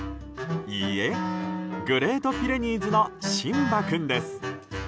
いいえ、グレートピレニーズのシンバ君です。